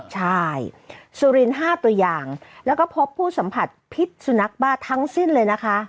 ใช่สุรินทร์๕ตัวอย่างแล้วก็พบผู้สัมผัสพิษสุนัขบ้าทั้งสิ้นเลยนะคะ